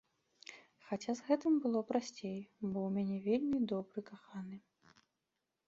Хаця з гэтым было прасцей, бо ў мяне вельмі добры каханы.